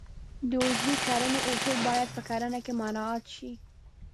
د عضوي کرنې اصول باید په کرنه کې مراعات شي.